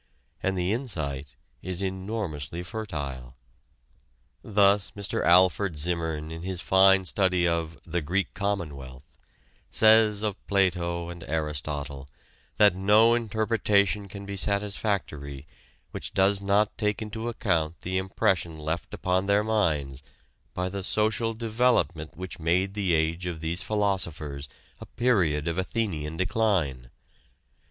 And the insight is enormously fertile. Thus Mr. Alfred Zimmern in his fine study of "The Greek Commonwealth" says of Plato and Aristotle that no interpretation can be satisfactory which does not take into account the impression left upon their minds by the social development which made the age of these philosophers a period of Athenian decline.